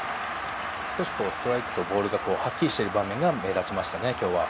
少しストライクとボールがはっきりしている場面が目立ちましたね、今日は。